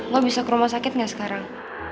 lo bisa ke rumah sakit gak sekarang